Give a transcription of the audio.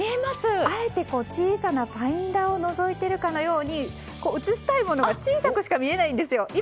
あえて小さなファインダーをのぞいているかのように写したいものが小さくしか写らないんですよ。